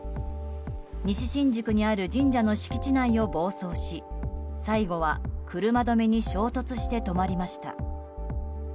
西新宿にある神社の敷地内を暴走し最後は車止めに衝突して止まりました。